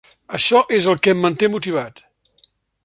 Això és el que em manté motivat.